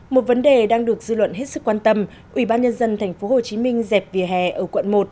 một vấn đề đang được dư luận hết sức quan tâm ủy ban nhân dân tp hcm dẹp vỉa hè ở quận một